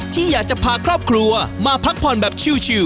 ที่อยากจะพาครอบครัวมาพักผ่อนแบบชิล